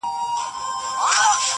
چوروندوک چي هم چالاکه هم هوښیار دی.!